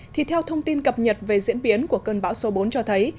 thì theo thông tin cập nhật về diễn biến của cơn bão số bốn cho thấy